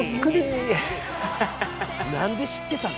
なんで知ってたの？